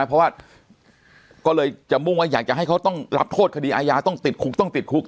เพราะว่าก็เลยจะมุ่งว่าอยากจะให้เขาต้องรับโทษคดีอาญาต้องติดคุกต้องติดคุก